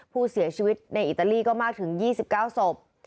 ผู้เสียชีวิตในอิตาลีก็มากถึง๒๙ศพ